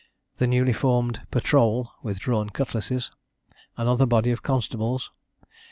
The newly formed patrole, with drawn cutlasses. Another body of constables.